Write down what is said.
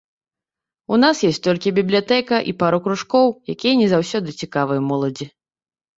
У нас ёсць толькі бібліятэка і пару кружкоў, якія не заўсёды цікавыя моладзі.